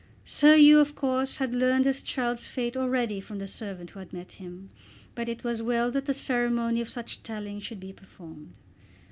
Sir Hugh of course had learned his child's fate already from the servant who had met him; but it was well that the ceremony of such telling should be performed.